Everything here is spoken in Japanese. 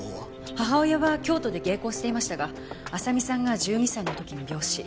母親は京都で芸妓をしていましたが亜沙美さんが１２歳の時に病死。